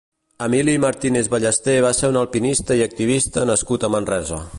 Emili Martínez Ballester va ser un alpinista i activista nascut a Manresa.